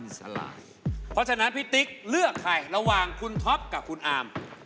นิกเลือกใครระหว่างคุณท็อปกับคุณอาม